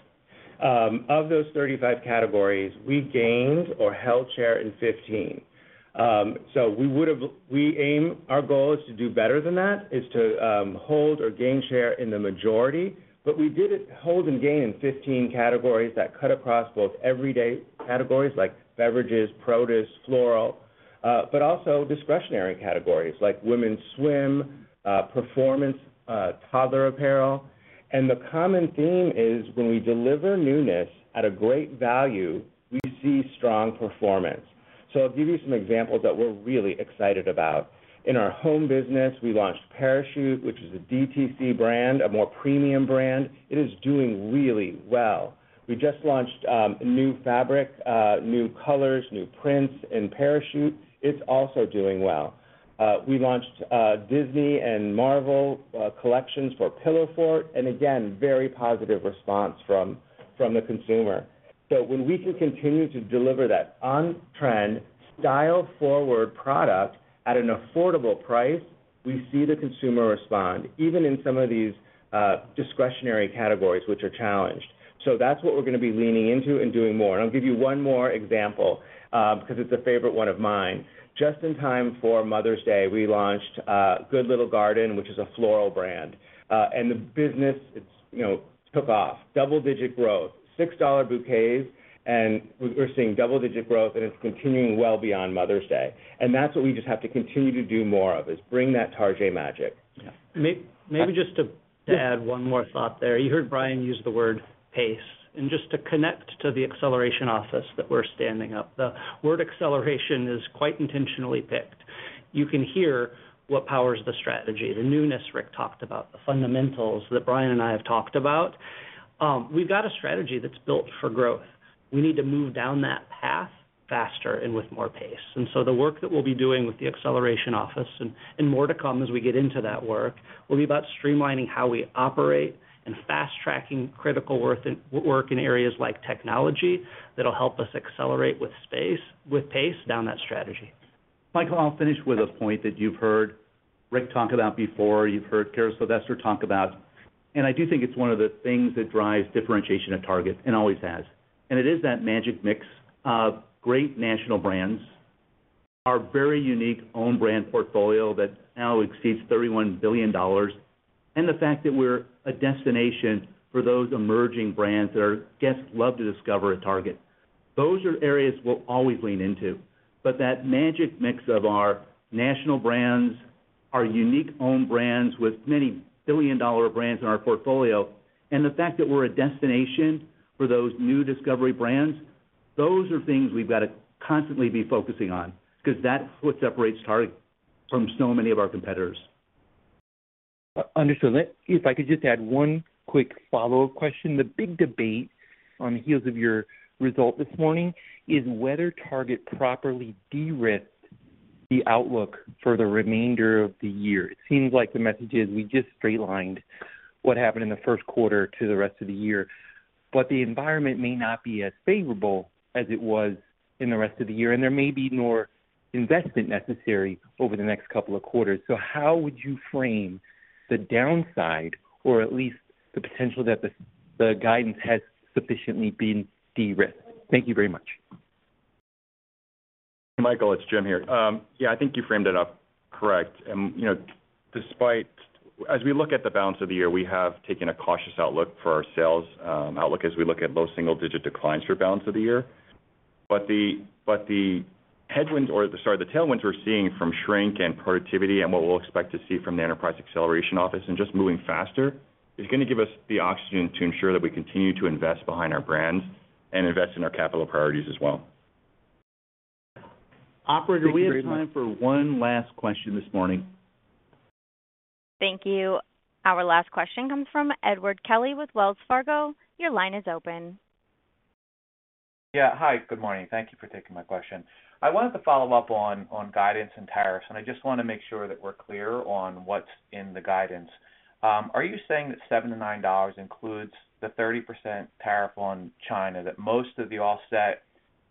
Of those 35 categories, we gained or held share in 15. Our goal is to do better than that, to hold or gain share in the majority. We did hold and gain in 15 categories that cut across both everyday categories like beverages, produce, floral, but also discretionary categories like women's swim, performance, toddler apparel. The common theme is when we deliver newness at a great value, we see strong performance. I'll give you some examples that we're really excited about. In our home business, we launched Parachute, which is a DTC brand, a more premium brand. It is doing really well. We just launched new fabric, new colors, new prints in Parachute. It's also doing well. We launched Disney and Marvel collections for Pillowfort. Again, very positive response from the consumer. When we can continue to deliver that on-trend, style-forward product at an affordable price, we see the consumer respond, even in some of these discretionary categories which are challenged. That is what we are going to be leaning into and doing more. I will give you one more example because it is a favorite one of mine. Just in time for Mother's Day, we launched Good Little Garden, which is a floral brand. The business took off, double-digit growth, $6 bouquets. We are seeing double-digit growth, and it is continuing well beyond Mother's Day. That is what we just have to continue to do more of, is bring that Target magic. Maybe just to add one more thought there. You heard Brian use the word pace. Just to connect to the acceleration office that we're standing up, the word acceleration is quite intentionally picked. You can hear what powers the strategy, the newness Rick talked about, the fundamentals that Brian and I have talked about. We've got a strategy that's built for growth. We need to move down that path faster and with more pace. The work that we'll be doing with the acceleration office and more to come as we get into that work will be about streamlining how we operate and fast-tracking critical work in areas like technology that'll help us accelerate with pace down that strategy. Michael, I'll finish with a point that you've heard Rick talk about before, you've heard Cara Sylvester talk about. I do think it's one of the things that drives differentiation at Target and always has. It is that magic mix of great national brands, our very unique own brand portfolio that now exceeds $31 billion, and the fact that we're a destination for those emerging brands that our guests love to discover at Target. Those are areas we'll always lean into. That magic mix of our national brands, our unique own brands with many billion-dollar brands in our portfolio, and the fact that we're a destination for those new discovery brands, those are things we've got to constantly be focusing on because that's what separates Target from so many of our competitors. Understood. If I could just add one quick follow-up question. The big debate on the heels of your result this morning is whether Target properly de-risked the outlook for the remainder of the year. It seems like the message is we just straight-lined what happened in the first quarter to the rest of the year. The environment may not be as favorable as it was in the rest of the year. There may be more investment necessary over the next couple of quarters. How would you frame the downside or at least the potential that the guidance has sufficiently been de-risked? Thank you very much. Michael, it's Jim here. Yeah, I think you framed it up correct. As we look at the balance of the year, we have taken a cautious outlook for our sales outlook as we look at low single-digit declines for balance of the year. The tailwinds we're seeing from shrink and productivity and what we'll expect to see from the enterprise acceleration office and just moving faster is going to give us the oxygen to ensure that we continue to invest behind our brands and invest in our capital priorities as well. Operator, we have time for one last question this morning. Thank you. Our last question comes from Edward Kelly with Wells Fargo. Your line is open. Yeah. Hi, good morning. Thank you for taking my question. I wanted to follow up on guidance and tariffs. I just want to make sure that we're clear on what's in the guidance. Are you saying that $7-$9 includes the 30% tariff on China, that most of the offset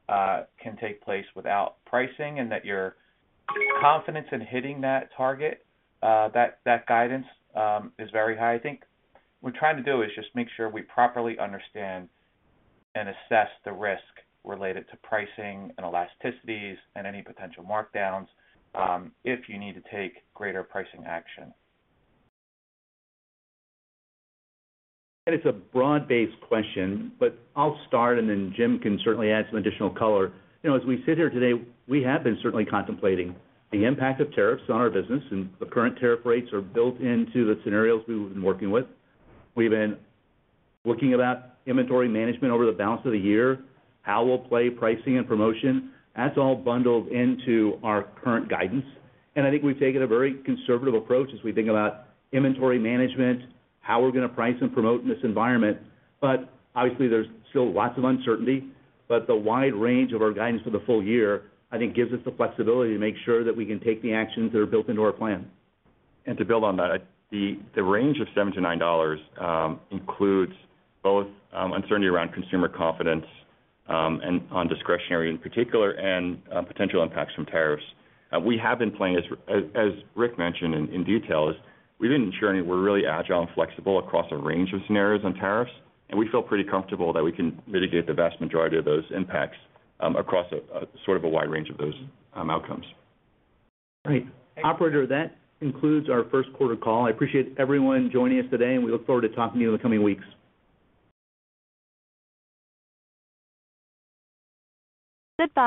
can take place without pricing, and that your confidence in hitting that target, that guidance, is very high? I think what we're trying to do is just make sure we properly understand and assess the risk related to pricing and elasticities and any potential markdowns if you need to take greater pricing action. It's a broad-based question, but I'll start, and then Jim can certainly add some additional color. As we sit here today, we have been certainly contemplating the impact of tariffs on our business. The current tariff rates are built into the scenarios we've been working with. We've been looking at inventory management over the balance of the year, how we'll play pricing and promotion. That's all bundled into our current guidance. I think we've taken a very conservative approach as we think about inventory management, how we're going to price and promote in this environment. Obviously, there's still lots of uncertainty. The wide range of our guidance for the full year, I think, gives us the flexibility to make sure that we can take the actions that are built into our plan. To build on that, the range of $7-$9 includes both uncertainty around consumer confidence and on discretionary in particular and potential impacts from tariffs. We have been playing, as Rick mentioned in detail, we've been ensuring we're really agile and flexible across a range of scenarios on tariffs. We feel pretty comfortable that we can mitigate the vast majority of those impacts across sort of a wide range of those outcomes. All right. Operator, that concludes our first quarter call. I appreciate everyone joining us today, and we look forward to talking to you in the coming weeks. That's it.